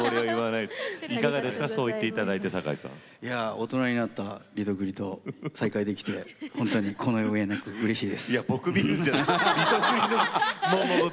大人になったリトグリと再会できて本当にこの上なくうれしいです。